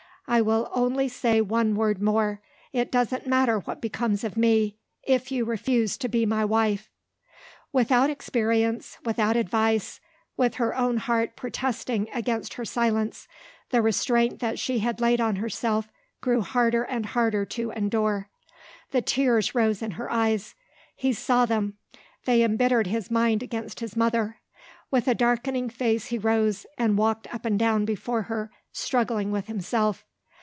I will only say one word more. It doesn't matter what becomes of me if you refuse to be my wife." Without experience, without advice with her own heart protesting against her silence the restraint that she had laid on herself grew harder and harder to endure. The tears rose in her eyes. He saw them; they embittered his mind against his mother. With a darkening face he rose, and walked up and down before her, struggling with himself.